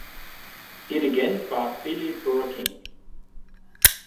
Dirigent war Willy Berking.